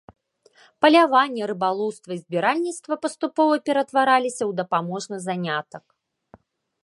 Паляванне, рыбалоўства і збіральніцтва паступова ператвараліся ў дапаможны занятак.